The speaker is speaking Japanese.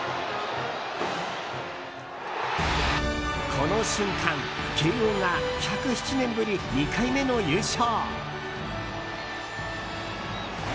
この瞬間慶應が１０７年ぶり２回目の優勝。